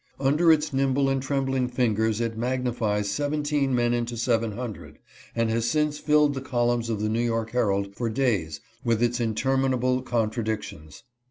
Under its nimble and trembling fingers it magnifies 17 men into 700, and has since filled the columns of the New York Herald for days with its interminable contradictions.